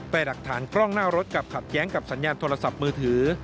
แต่หลักฐานกล้องหน้ารถกลับขัดแย้งกับสัญญาณโทรศัพท์มือถือ